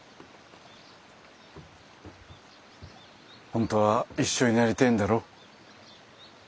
本当は一緒になりてえんだろ？